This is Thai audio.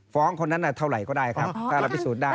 ฟ้องคนนั้นเท่าไหร่ก็ได้ครับถ้ารับปริสูจน์ได้